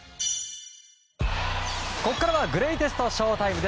ここからはグレイテストＳＨＯ‐ＴＩＭＥ。